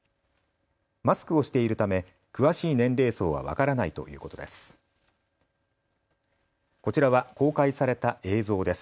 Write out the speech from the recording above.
マスクをしているため詳しい年齢層は分からないということです。